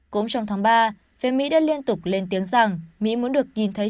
cũng trong tháng ba phía mỹ đã liên tục lên tiếng rằng mỹ muốn được nhìn thấy